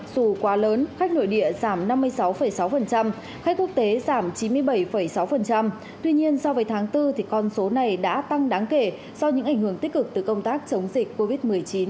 tuy nhiên so với tháng bốn con số này đã tăng đáng kể do những ảnh hưởng tích cực từ công tác chống dịch covid một mươi chín